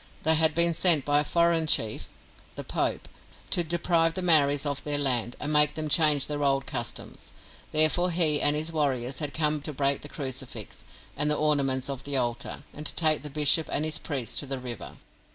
They had been sent by a foreign chief (the Pope) to deprive the Maoris of their land, and make them change their old customs. Therefore he and his warriors had come to break the crucifix, and the ornaments of the altar, and to take the bishop and his priests to the river.